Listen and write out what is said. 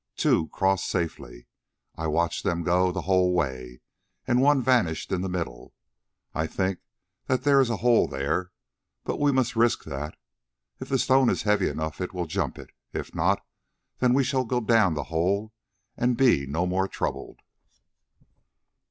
Two crossed safely, I watched them go the whole way, and one vanished in the middle. I think that there is a hole there, but we must risk that. If the stone is heavy enough it will jump it, if not, then we shall go down the hole and be no more troubled."